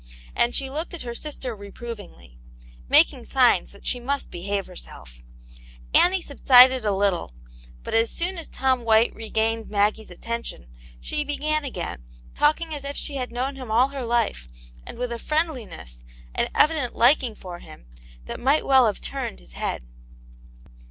And she looked at her sister reprovingly, making signs that she must behave herself Annie subsided a little, but as soon as Tom White regained Maggie's attention, she began again, talking as if she had known him all her life, and with a friendliness, an evident liking for him, that might well have turned his head.